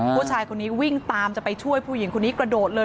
ผู้ชายคนนี้วิ่งตามจะไปช่วยผู้หญิงคนนี้กระโดดเลย